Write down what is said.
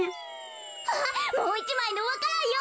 あっもう１まいのわか蘭よ！